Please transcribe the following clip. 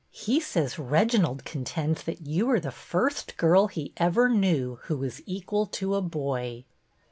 He says Reginald contends that you are the first girl he ever knew who was equal to a boy."